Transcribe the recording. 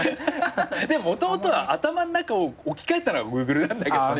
でももともとは頭ん中を置き換えたらＧｏｏｇｌｅなんだけどね。